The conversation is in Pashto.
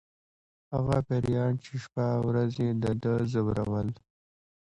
هغه پیریان چې شپه او ورځ یې د ده ځورول